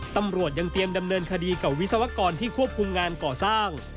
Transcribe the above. ตำรวจยังเตรียมดำเนินคดีกับวิศวกรที่ควบคุมงานก่อสร้าง